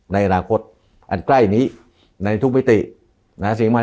ในอนาคตคราวนี้ในทุกพิธี